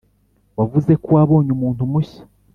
wavuze ko wabonye umuntu mushya.